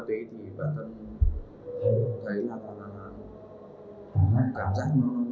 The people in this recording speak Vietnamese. thì bạn thấy là cảm giác không tự chủ được hành vi mà mình đã làm ra